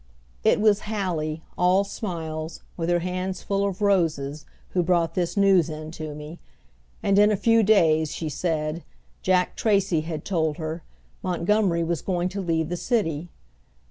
It was Hallie, all smiles, with her hands full of roses, who brought this news in to me; and in a few days, she said, Jack Tracy had told her, Montgomery was going to leave the city.